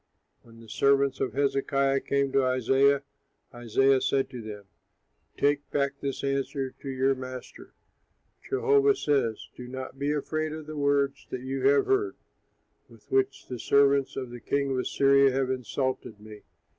When the servants of Hezekiah came to Isaiah, Isaiah said to them, "Take back this answer to your master: Jehovah says, 'Do not be afraid of the words that you have heard, with which the servants of the king of Assyria have insulted me.